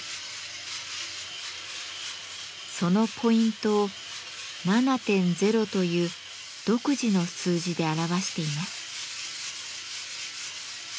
そのポイントを「７．０」という独自の数字で表しています。